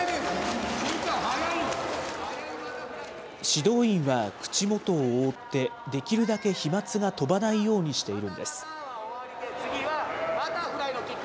指導員は口元を覆ってできるだけ飛まつが飛ばないようにしているんです。